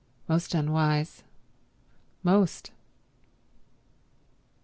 Most unwise. Most.